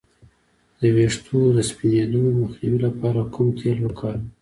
د ویښتو د سپینیدو مخنیوي لپاره کوم تېل وکاروم؟